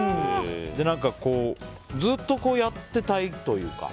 で、何か、ずっとこうやってたいというか。